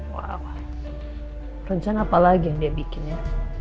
wah rencana apa lagi yang dia bikin ya